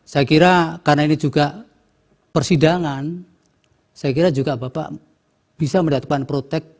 saya kira karena ini juga persidangan saya kira juga bapak bisa mendapatkan protek